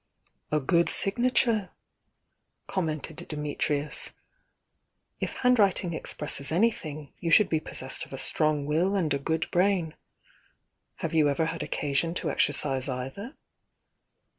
"A good signature!" commented Dimitrius. "If handwriting expresses anything, you should be pos sessed of a strong will and a good brain. Have you ever had occasion to exercise either?"